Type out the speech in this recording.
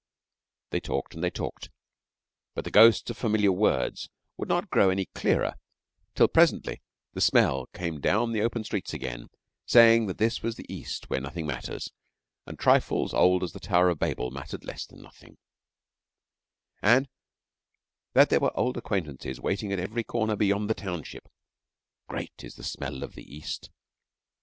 They talked and they talked, but the ghosts of familiar words would not grow any clearer till presently the Smell came down the open streets again, saying that this was the East where nothing matters, and trifles old as the Tower of Babel mattered less than nothing, and that there were old acquaintances waiting at every corner beyond the township. Great is the Smell of the East!